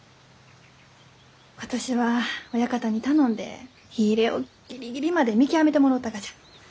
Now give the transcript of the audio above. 今年は親方に頼んで火入れをギリギリまで見極めてもろうたがじゃ。